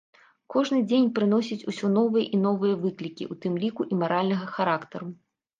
Кожны дзень прыносіць усё новыя і новыя выклікі, у тым ліку і маральнага характару.